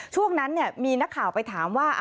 ช่วงนั้นมีนักข่าวไปถามว่า